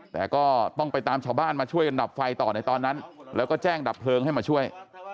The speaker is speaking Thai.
แต่ก็ต้องไปตามชาวบ้านมาช่วยกันดับไฟต่อในตอนนั้นแล้วก็แจ้งดับเพลิงให้มาช่วย